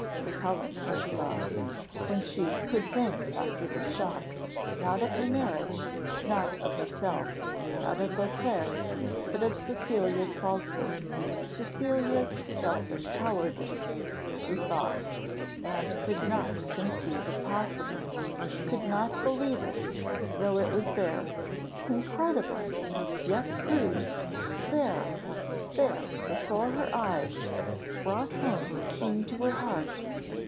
was Helen's first thought, when she could think after this shock not of her marriage, not of herself, not of Beauclerc, but of Cecilia's falsehood Cecilia's selfish cowardice, she thought, and could not conceive it possible, could not believe it, though it was there. "Incredible yet proved there there before her eyes brought home keen to her heart!